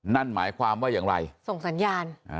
นั่นหมายความว่าอย่างไรส่งสัญญาณ